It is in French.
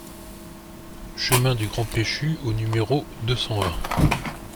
Chemin du Grand Péchu au numéro deux cent vingt